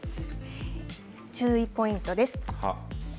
注意ポイントです。